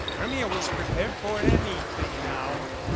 Hermia was prepared for any thing now.